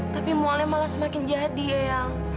tapi mualnya malah semakin jadi eyang